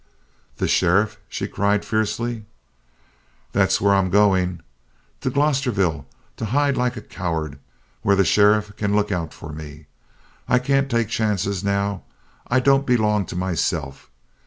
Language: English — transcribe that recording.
"The sheriff " she cried fiercely. "That's where I'm going. To Glosterville to hide like a coward where the sheriff can look out for me. I can't take chances now. I don't belong to myself.